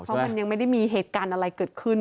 เพราะมันยังไม่ได้มีเหตุการณ์อะไรเกิดขึ้น